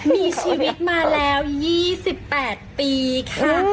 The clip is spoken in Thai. มีชีวิตมาแล้ว๒๘ปีค่ะ